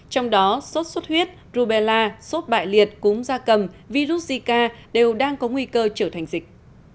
trong đó sốt xuất huyết rubella sốt bại liệt cúng da cầm virus zika đều đang có nguy cơ trở thành dịch